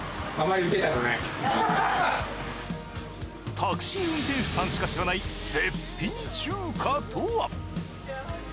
タクシー運転手さんしか知らない絶品中華とは？